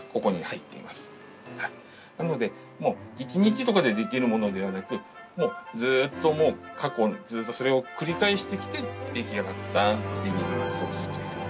なので１日とかでできるものではなくずっともう過去ずっとそれを繰り返してきて出来上がったデミグラスソースになります。